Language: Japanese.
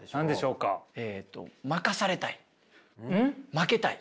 負けたい。